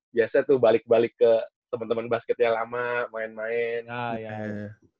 biasanya tuh balik balik ke temen temen basket yang lama main main